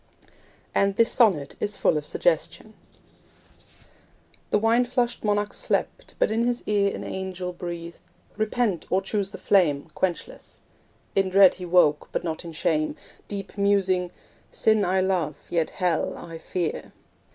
And this sonnet is full of suggestion: The wine flushed monarch slept, but in his ear An angel breathed 'Repent, or choose the flame Quenchless.' In dread he woke, but not in shame, Deep musing 'Sin I love, yet hell I fear.'